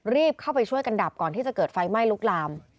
รีบเข้าไปช่วยกันดับก่อนที่จะเกิดไฟไหม้ลุกลาม